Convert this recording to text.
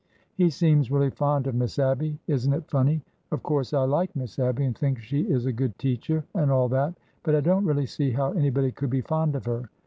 He seems really fond of Miss Abby. Isn't it funny? Of course I like Miss Abby and think she is a good teacher, and all that, but I don't really see how anybody could be fond of her.